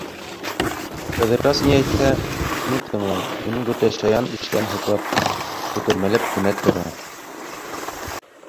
Ҡыҙырас ни әйтһә, шуны тыңлай, уның бөтә шаян эштәрен хуплап, күтәрмәләп кенә тора.